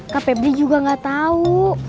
kak pebli juga gak tau